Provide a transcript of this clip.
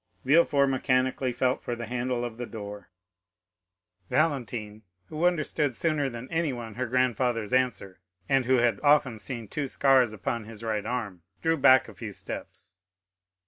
Villefort mechanically felt for the handle of the door; Valentine, who understood sooner than anyone her grandfather's answer, and who had often seen two scars upon his right arm, drew back a few steps.